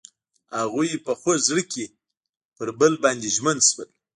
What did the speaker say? هغوی په خوږ زړه کې پر بل باندې ژمن شول.